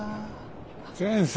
先生。